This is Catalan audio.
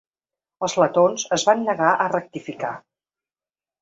Els letons es van negar a rectificar.